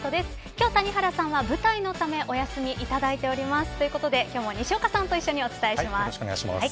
今日、谷原さんは舞台のためお休みをいただいております。ということで今日も西岡さんとお伝えします。